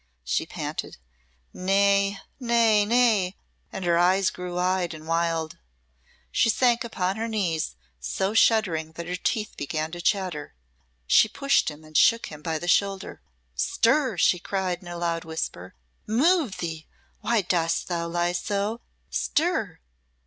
she panted. "Nay! nay! nay!" and her eyes grew wide and wild. She sank upon her knees, so shuddering that her teeth began to chatter. She pushed him and shook him by the shoulder. "Stir!" she cried in a loud whisper. "Move thee! Why dost thou lie so? Stir!"